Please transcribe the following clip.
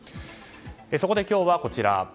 そこで今日は、こちら。